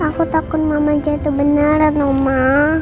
aku takut mama jatuh beneran ma